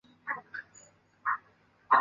过完年回来再打算